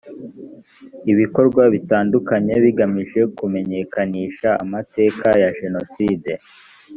ibikorwa bitandukanye bigamije kumenyekanisha amateka ya jenoside